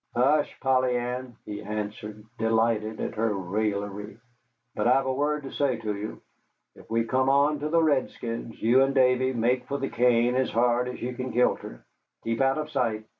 "Hush, Polly Ann," he answered, delighted at her raillery. "But I've a word to say to you. If we come on to the redskins, you and Davy make for the cane as hard as you kin kilter. Keep out of sight."